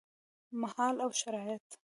مهال او شرايط: